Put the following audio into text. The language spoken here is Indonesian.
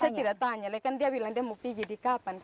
saya tidak tanya kan dia bilang dia mau pergi di kapan